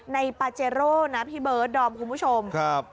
ปาเจโร่นะพี่เบิร์ดดอมคุณผู้ชมครับ